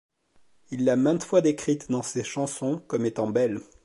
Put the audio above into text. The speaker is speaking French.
Il l'a maintes fois décrite dans ses chansons comme étant belle.